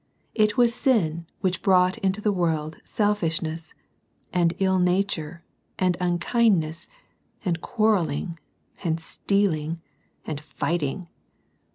It was sin which brought into the world selfishness, and ill nature, and unkindness, and quarrelling, and stealing, and fighting.